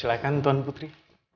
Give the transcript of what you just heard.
silakan tuan putri